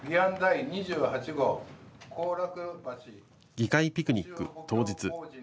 議会ピクニック当日。